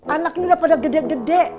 anak ini udah pada gede gede